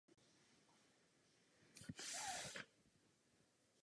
Pramení ve státě Puebla pod ledovci v Sierra Nevada.